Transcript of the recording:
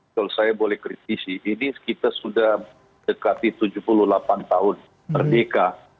kalau saya boleh kritisi ini kita sudah dekati tujuh puluh delapan tahun merdeka